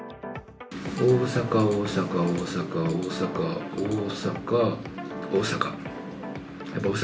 大阪、大阪、大阪、大阪、大阪、大阪。